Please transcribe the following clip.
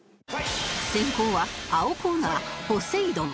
先攻は青コーナーポセイドン